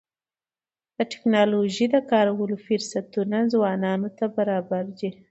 د ټکنالوژۍ د کارولو فرصتونه ځوانانو ته برابر دي.